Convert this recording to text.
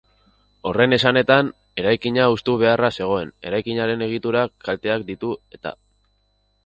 Horren esanetan, eraikina hustu beharra zegoen, eraikinaren egiturak kalteak ditu eta.